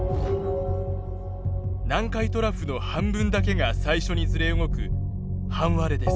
南海トラフの半分だけが最初にずれ動く半割れです。